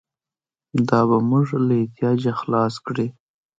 دا به موږ له احتیاجه خلاص کړي.